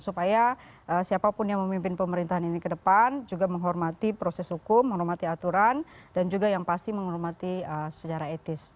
supaya siapapun yang memimpin pemerintahan ini ke depan juga menghormati proses hukum menghormati aturan dan juga yang pasti menghormati secara etis